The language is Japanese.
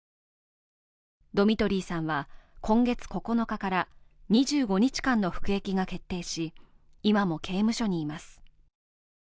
ドミトリーさんは今月９日から２５日間の服役が決定し今も刑務所にいます。